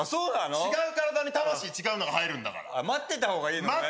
違う体に魂違うのが入るんだから待ってた方がいいのね待っ